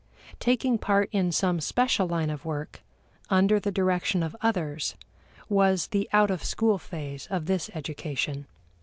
Taking part in some special line of work, under the direction of others, was the out of school phase of this education.